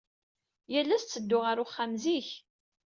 Yal ass, ttedduɣ ɣer uxxam zik.